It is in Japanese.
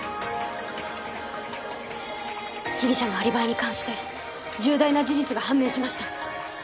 被疑者のアリバイに関して重大な事実が判明しました。